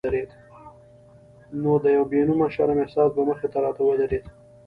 نو د یو بې نومه شرم احساس به مخې ته راته ودرېد.